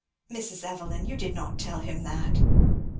"Mrs. Evelyn! you did not tell him that?"